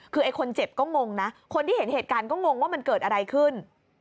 คือไอ้คนเจ็บก็งงนะคนที่เห็นเหตุการณ์ก็งงว่ามันเกิดอะไรขึ้น